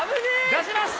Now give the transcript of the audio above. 出します。